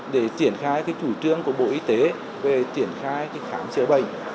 để triển khai chủ trương của bộ y tế về triển khai khám chữa bệnh